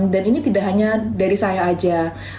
dan ini tidak hanya dari saya saja